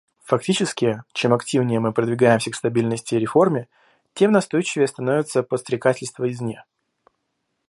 Фактически, чем активнее мы продвигаемся к стабильности и реформе, тем настойчивее становится подстрекательство извне.